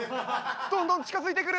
どんどん近づいてくる。